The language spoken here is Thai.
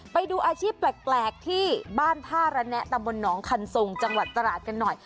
ไปดูอาชีพแปลกที่บ้านท่าระแนะตำบลหนองคันทรงจังหวัดตราดกันหน่อย